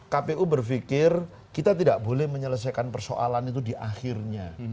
kpu berpikir kita tidak boleh menyelesaikan persoalan itu di akhirnya